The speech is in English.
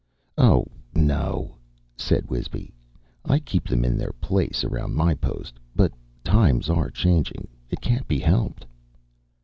"Oh, no," said Wisby. "I keep them in their place around my post. But times are changing. It can't be helped."